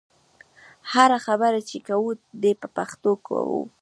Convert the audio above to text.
هره خبره چې کوو دې په پښتو کوو.